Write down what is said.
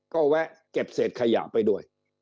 ก็แวะเก็บเศษขยะไปด้วย